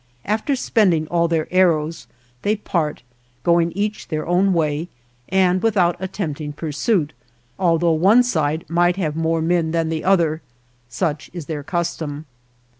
After spend ing all their arrows, they part, going each their own way, and without attempting pur suit, although one side might have more men than the other ; such is their custom.